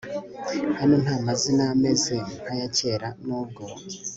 Hano nta mazina ameze nkayakera nubwo